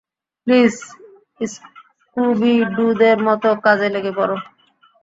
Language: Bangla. প্লিজ, স্কুবি-ডু দের মতো কাজে লেগে পড়ো।